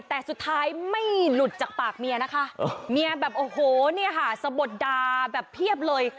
แต่สุดท้ายไม่หลุดจากปากเมียนะคะเมียแบบโอ้โหเนี่ยค่ะสะบดดาแบบเพียบเลย